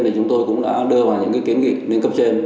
thì chúng tôi cũng đã đưa vào những cái kiến nghị đến cấp trên